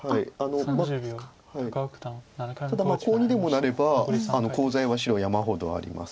ただコウにでもなればコウ材は白山ほどありますので。